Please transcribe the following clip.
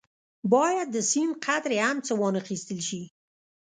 باید د سپڼ قدرې هم څه وانه اخیستل شي.